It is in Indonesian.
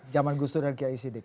zaman gusud dan kiai sidik